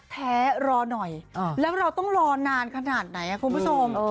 แท้รอหน่อยแล้วเราต้องรอนานขนาดไหนคุณผู้ชม